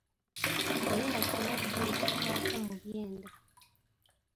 Kkolera kirwadde ekikwata mu byenda.